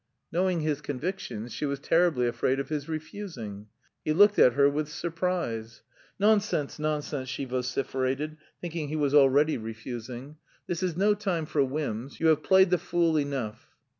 Knowing his convictions, she was terribly afraid of his refusing. He looked at her with surprise. "Nonsense, nonsense!" she vociferated, thinking he was already refusing. "This is no time for whims. You have played the fool enough."